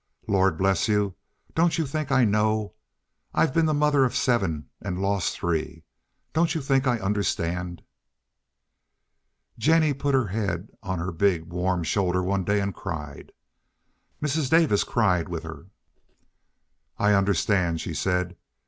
Lord bless you, don't you think I know? I've been the mother of seven and lost three. Don't you think I understand?" Jennie put her head on her big, warm shoulder one day and cried. Mrs. Davis cried with her. "I understand," she said.